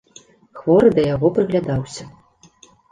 Хворы да яго прыглядаўся.